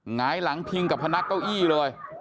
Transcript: หงายหลังพิงกับพนักเก้าอี้เลย